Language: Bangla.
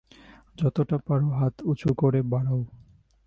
যতটা পারো হাত উচু করে বাড়াও।